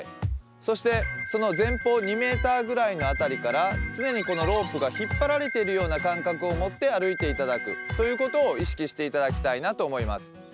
そしてその前方２ｍぐらいの辺りから常に、このロープが引っ張られているような感覚を持って歩いていただくということを意識していただきたいなと思います。